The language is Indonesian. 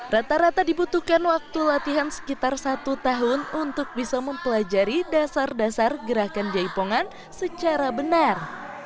rata rata dibutuhkan waktu latihan sekitar satu tahun untuk bisa mempelajari dasar dasar gerakan jaipongan secara benar